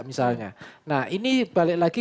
misalnya nah ini balik lagi